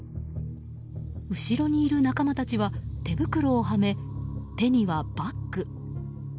後ろにいる仲間たちは手袋をはめ手には、バッグ。